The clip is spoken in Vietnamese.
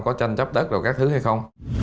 có tranh chấp đất hay không